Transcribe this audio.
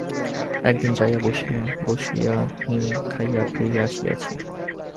একদিন যাইয়া বসিয়া বসিয়া হিম খাইয়া ফিরিয়া আসিয়াছি।